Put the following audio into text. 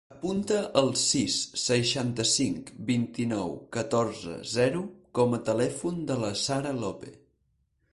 Apunta el sis, seixanta-cinc, vint-i-nou, catorze, zero com a telèfon de la Sara Lope.